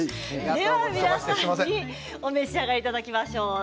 では皆さんにお召し上がりいただきましょう。